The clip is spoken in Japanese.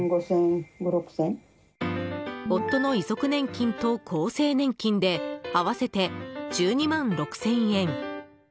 夫の遺族年金と、厚生年金で合わせて１２万６０００円。